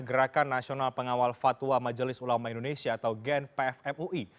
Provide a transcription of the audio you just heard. gerakan nasional pengawal fatwa majelis ulama indonesia atau genpfmui